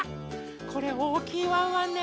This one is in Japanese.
これおおきいワンワンね。